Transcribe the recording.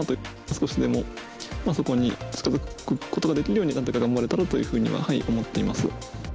少しでも、そこに近づくことができるように、なんとか頑張れたらというふうには思っています。